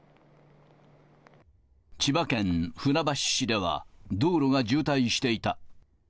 千葉県船橋市では、道路が渋滞していた。